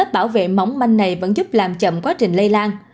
bảo vệ móng manh này vẫn giúp làm chậm quá trình lây lan